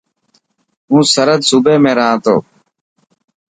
هون سرهد صوبي ۾ رها تو.